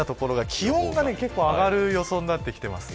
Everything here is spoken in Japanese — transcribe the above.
気温が結構上がる予想になってきています。